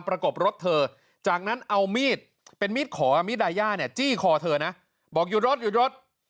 กบรถเธอจากนั้นเอามีดเป็นมีดขอมีดไดย่าเนี่ยจี้คอเธอนะบอกหยุดรถหยุดรถ